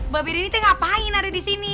babe denny tuh ngapain ada di sini